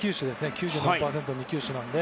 ９６％２球種で。